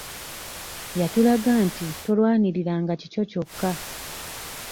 Yatulaga nti tolwanirira nga kikyo kyokka.